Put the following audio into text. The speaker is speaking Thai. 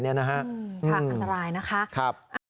อันตรายนะคะ